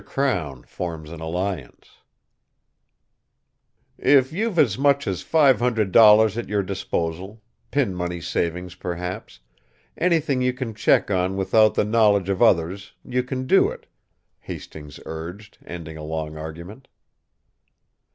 CROWN FORMS AN ALLIANCE "If you've as much as five hundred dollars at your disposal pin money savings, perhaps anything you can check on without the knowledge of others, you can do it," Hastings urged, ending a long argument.